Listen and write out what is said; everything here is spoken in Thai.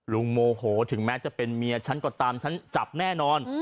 โมโหถึงแม้จะเป็นเมียฉันก็ตามฉันจับแน่นอน